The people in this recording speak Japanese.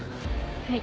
はい。